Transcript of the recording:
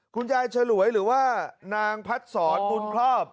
คุณยายฉลวยหรือว่านางพัดสอนบุญครอบ